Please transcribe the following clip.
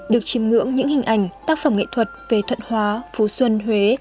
được chìm ngưỡng những hình ảnh tác phẩm nghệ thuật về thuận hóa phú xuân huế